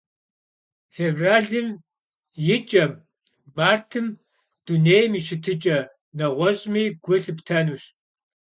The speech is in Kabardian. Fêvralım yi ç'em, martım dunêym yi şıtıç'e neğueş'mi gu lhıptenuş.